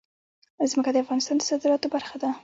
ځمکه د افغانستان د صادراتو برخه ده.